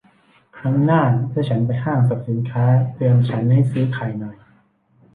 ครั้งหน้าถ้าฉันไปห้างสรรพสินค้า เตือนฉันให้ซื้อไข่หน่อย